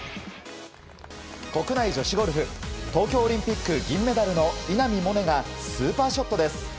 国内女子ゴルフ東京オリンピック銀メダルの稲見萌寧がスーパーショットです。